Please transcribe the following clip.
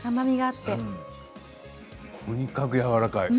とにかくやわらかい。